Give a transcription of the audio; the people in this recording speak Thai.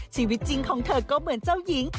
ชีวิตจริงของเธอก็เหมือนเจ้าหญิง